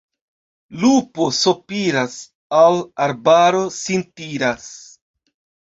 Lupo sopiras, al arbaro sin tiras.